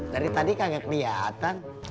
dari tadi kagak keliatan